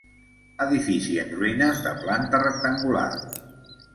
Edifici en ruïnes, de planta rectangular.